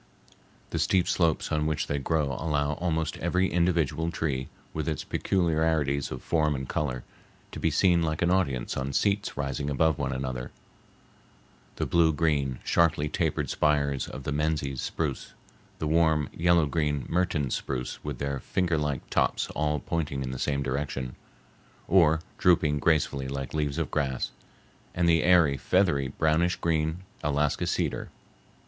The steep slopes on which they grow allow almost every individual tree, with its peculiarities of form and color, to be seen like an audience on seats rising above one another—the blue green, sharply tapered spires of the Menzies spruce, the warm yellow green Mertens spruce with their finger like tops all pointing in the same direction, or drooping gracefully like leaves of grass, and the airy, feathery, brownish green Alaska cedar.